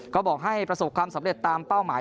ก็บอกให้ประสบความสำเร็จตามเป้าหมาย